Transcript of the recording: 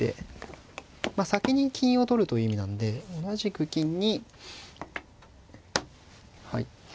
先に金を取るという意味なんで同じく金にはい。